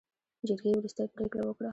جرګې وروستۍ پرېکړه وکړه.